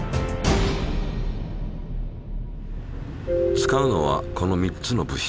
使うのはこの３つの物質。